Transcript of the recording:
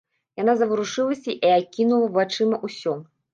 Яна заварушылася і акінула вачыма ўсё.